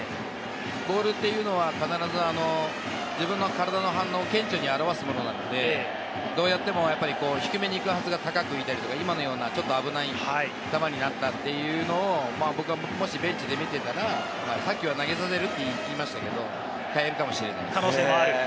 ボールというのは必ず自分の体の反応を顕著に表すものなので、どうやっても低めにいくはずが高く浮いたりとか、今のようなちょっと危ない球になったというのを僕はもしベンチで見ていたら、さっきは投げさせると言いましたが、代えるかもしれないです。